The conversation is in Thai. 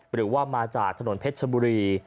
หรือว่ามาจากถนนเพชรชบุรี